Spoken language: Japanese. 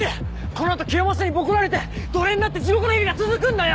この後キヨマサにボコられて奴隷になって地獄の日々が続くんだよ！